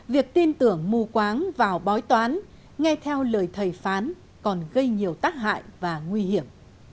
việc tin tưởng mù quáng vào bói toán nghe theo lời thầy phán còn gây nhiều tác hại và nguy hiểm